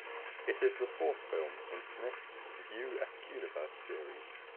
It is the fourth film in Smith's View Askewniverse series.